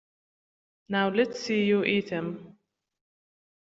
Now let's see you eat 'em.